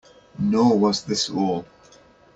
Nor was this all.